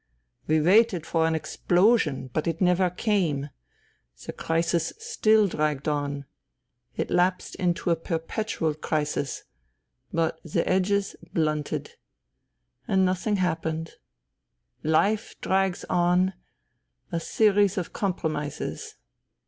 We waited for an explosion. But it never INTERVENING IN SIBERIA 221 came. The crisis still dragged on : it lapsed into a perpetual crisis ; but the edges blunted. And nothing happened. Life drags on : a series of compromises.